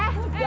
oke bukti kan